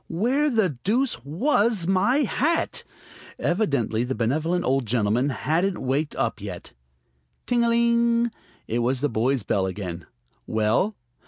Where the deuce was my hat? Evidently the benevolent old gentleman hadn't waked up yet. Ting a ling! It was the boy's bell again. "Well?"